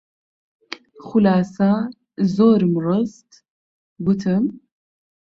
خولاسە زۆرم ڕست، گوتم: